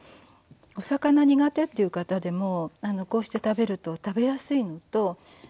お魚苦手っていう方でもこうして食べると食べやすいのととってもね